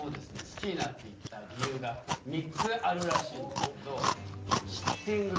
好きになっていった理由が３つあるらしいんですけど。